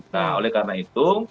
nah oleh karena itu